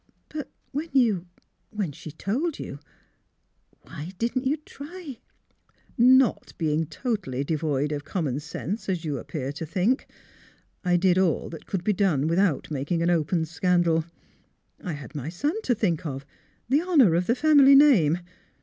^' But when you — when she told you, why didn't you try ?"" Not being totally devoid of common sense — as you appear to think — I did all that could be done without making an open scandal. I had my son to think of, the honour of the family name.